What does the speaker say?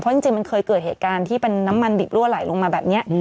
จริงมันเคยเกิดเหตุการณ์ที่เป็นน้ำมันดิบรั่วไหลลงมาแบบนี้